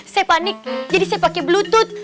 saya panik jadi saya pakai bluetooth